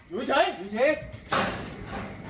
อยู่ไหน